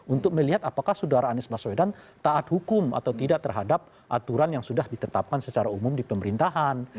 untuk melihat apakah saudara anies baswedan taat hukum atau tidak terhadap aturan yang sudah ditetapkan secara umum di pemerintahan